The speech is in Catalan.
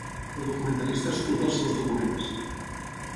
El documentalista escruta els seus documents.